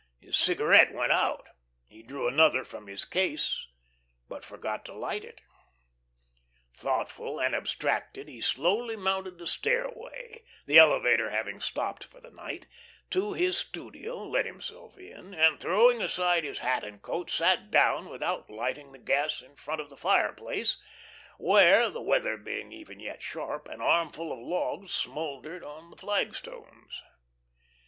His cigarette went out. He drew another from his case, but forgot to light it. Thoughtful and abstracted he slowly mounted the stairway the elevator having stopped for the night to his studio, let himself in, and, throwing aside his hat and coat, sat down without lighting the gas in front of the fireplace, where (the weather being even yet sharp) an armful of logs smouldered on the flagstones.